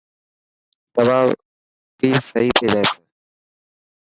دوا پي سهي ٿي جائيس.